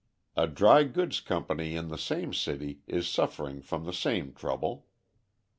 A dry goods company in the same city is suffering from the same trouble.